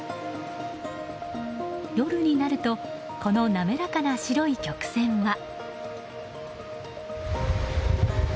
夜になるとこのなめらかな白い曲線は。